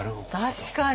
確かに！